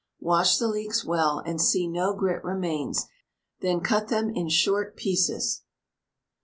Wash the leeks well, and see no grit remains, then out them in short pieces.